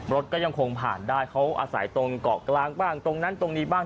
รถก็ยังคงผ่านได้เขาอาศัยตรงเกาะกลางบ้างตรงนั้นตรงนี้บ้าง